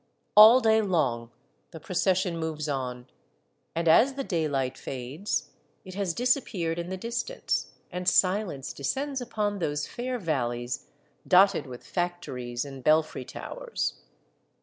All day long the procession moves on ; and as the daylight fades, it has disap peared in the distance, and silence descends upon those fair valleys dotted with factories and belfry towers.